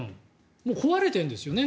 もう壊れてるんですよね